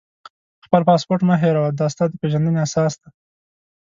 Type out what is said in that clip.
خپل پاسپورټ مه هېروه، دا ستا د پېژندنې اساس دی.